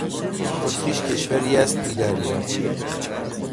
اتریش کشوری است بیدریا